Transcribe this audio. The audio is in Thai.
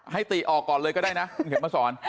ให้ตีออกก่อนเลยก็ได้นะเห็นมาสอน